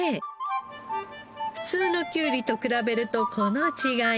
普通のきゅうりと比べるとこの違い。